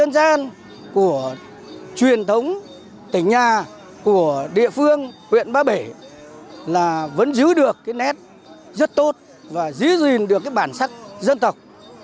rất tốt và giữ gìn được bản sắc dân tộc